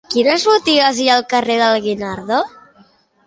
Quines botigues hi ha al carrer del Guinardó?